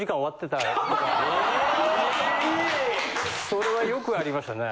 それはよくありましたね。